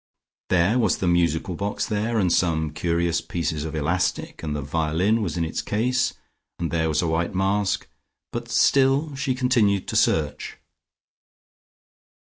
There was the musical box there, and some curious pieces of elastic, and the violin was in its case, and there was a white mask. But she still continued to search....